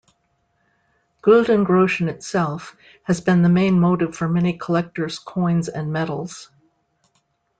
Guldengroschen itself, has been the main motive for many collectors coins and medals.